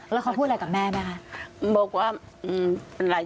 อ๋อเอาเสื้อมาหรือเปล่า